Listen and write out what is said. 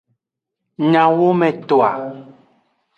Nyawometoa.